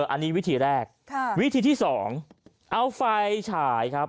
อันนี้วิธีแรกวิธีที่๒เอาไฟฉายครับ